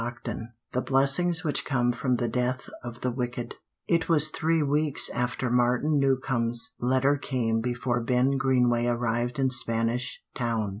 CHAPTER XXXIX THE BLESSINGS WHICH COME FROM THE DEATH OF THE WICKED It was three weeks after Martin Newcombe's letter came before Ben Greenway arrived in Spanish Town.